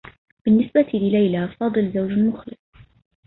بالنّسبة لليلى، فاضل زوج مخلص.